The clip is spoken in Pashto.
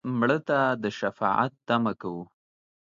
مړه ته د شفاعت تمه کوو